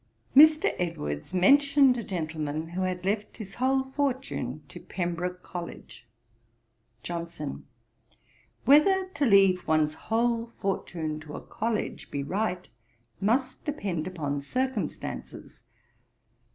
Mr. Edwards mentioned a gentleman who had left his whole fortune to Pembroke College. JOHNSON. 'Whether to leave one's whole fortune to a College be right, must depend upon circumstances.